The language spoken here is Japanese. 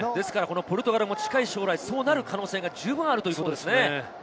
ポルトガルも近い将来そうなる可能性が十分にあるということですね。